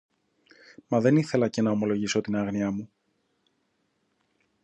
Μα δεν ήθελα και να ομολογήσω την άγνοια μου.